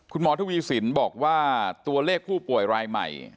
คุณหมอทวีสินบอกว่าตัวเลขผู้ป่วยรายใหม่